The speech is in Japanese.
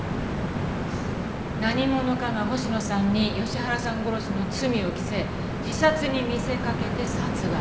何者かが星野さんに吉原さん殺しの罪を着せ自殺に見せかけて殺害。